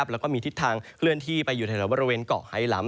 แล้วก็มีทิศทางเคลื่อนที่ไปอยู่แถวบริเวณเกาะไฮล้ำ